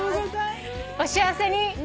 お幸せに！